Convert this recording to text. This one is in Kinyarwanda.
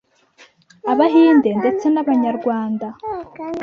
Abahinde ndetse n’abanyarwanda